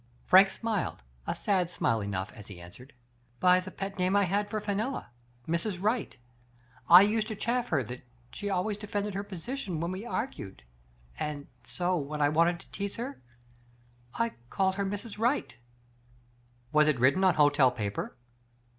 Frank smiled, a sad smile enough, as he an swered :" By the pet name I had for Fenella — Mrs. Right. I used to chaff her because she always defended her position when we argued, and so, when I wanted to tease her, I called her Mrs. Right." " Was it written on hotel paper